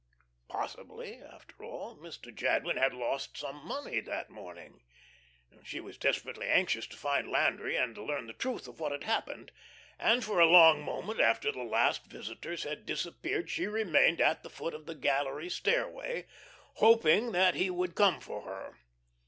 Possibly, after all, Mr. Jadwin had lost some money that morning. She was desperately anxious to find Landry, and to learn the truth of what had happened, and for a long moment after the last visitors had disappeared she remained at the foot of the gallery stairway, hoping that he would come for her.